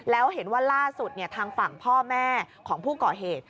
แล้วเห็นว่าล่าสุดทางฝั่งพ่อแม่ของผู้ก่อเหตุ